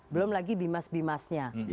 belum lagi bimas bimasnya